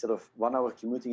selain satu jam berlengkah di pagi